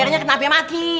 airnya kenapa mati